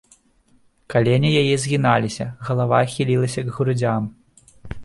Калені яе згіналіся, галава хілілася к грудзям.